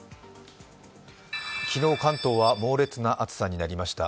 昨日、関東は猛烈な暑さになりました。